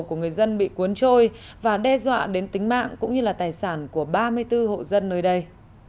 của người dân bị cuốn trôi và đe dọa đến tính mạng cũng như là tài sản của ba mươi bốn hộ dân nơi đây